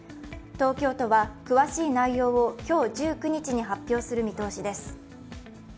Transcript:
東京都は詳しい内容を今日１９日に発表する見通しです。